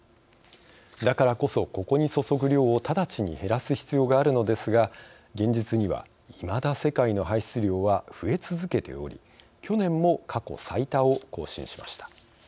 だからこそここに注ぐ量を直ちに減らす必要があるのですが現実には、いまだ世界の排出量は増え続けており去年も過去最多を更新しました。